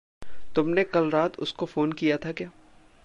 तुमने कल रात उसको फ़ोन किया था क्या?